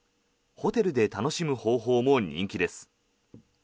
ホテルで楽しむ方法も人気です。